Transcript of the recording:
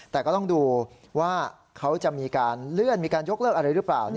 แต่ก็ต้องดูว่าเขาจะมีการเลื่อนมีการยกเลิกอะไรหรือเปล่า